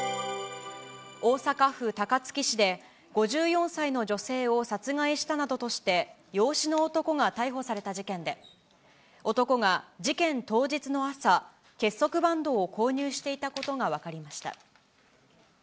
大阪府高槻市で、５４歳の女性を殺害したなどとして、養子の男が逮捕された事件で、男が事件当日の朝、結束バンドを購入していたことが分かりました。